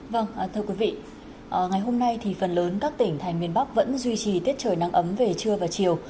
vâng thưa quý vị ngày hôm nay thì phần lớn các tỉnh thành miền bắc vẫn duy trì tiết trời nắng ấm về trưa và chiều